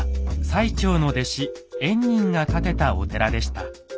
最澄の弟子・円仁が建てたお寺でした。